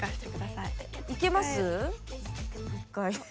いけます？